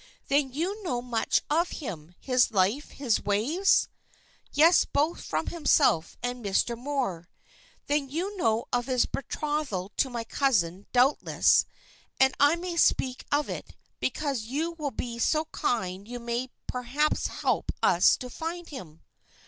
"Then you know much of him, his life, his ways?" "Yes, both from himself and Mr. Moor." "Then you know of his betrothal to my cousin, doubtless, and I may speak of it, because if you will be so kind you may perhaps help us to find him."